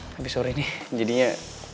tapi sorry nih jadinya